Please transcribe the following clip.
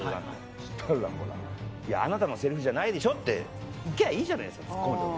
そしたらほら「あなたのセリフじゃないでしょ」って行きゃいいじゃないですかツッコめば。